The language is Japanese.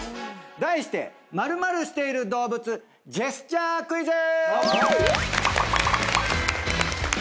題して○○している動物ジェスチャークイズ！